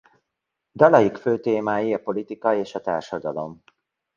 Dalaik fő témái a politika és a társadalom.